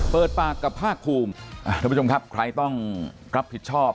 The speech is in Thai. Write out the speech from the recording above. เปิดปากกับภาคภูมิท่านผู้ชมครับใครต้องรับผิดชอบ